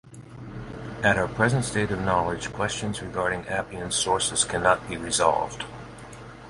At our present state of knowledge questions regarding Appian's sources cannot be resolved.